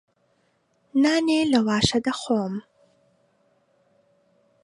نانی لەواشە دەخۆم.